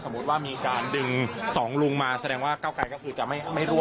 จุดยืนมีลุงไม่มีเรานี่